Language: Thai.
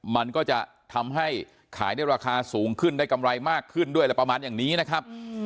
มันก็จะทำให้ขายได้ราคาสูงขึ้นได้กำไรมากขึ้นด้วยอะไรประมาณอย่างนี้นะครับ